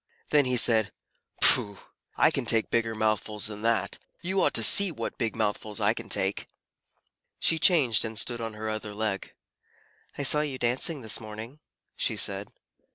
Then he said, "Pooh! I can take bigger mouthfuls than that. You ought to see what big mouthfuls I can take." She changed, and stood on her other leg. "I saw you dancing this morning," she said.